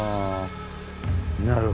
なるほど。